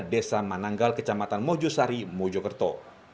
desa mananggal kecamatan mojosari mojokerto